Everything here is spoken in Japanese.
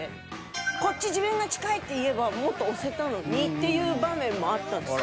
「こっち自分が近い」って言えばもっと押せたのにっていう場面もあったんですよ。